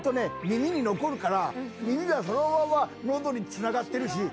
耳に残るから耳がそのまま喉につながってるし。